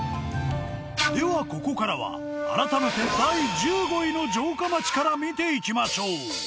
ではここからは改めて第１５位の城下町から見ていきましょう。